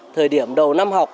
thời điểm đầu năm học